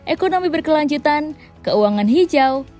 ekonomi berkelanjutan keuangan hijau